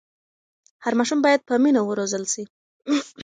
هر ماشوم باید په مینه وروزل سي.